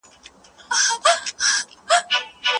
په ګڼ ډګر کي مړ سړی او ږیره تل نه ښکاري.